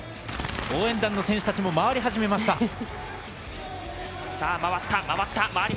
応援団の選手たちも回り始めました。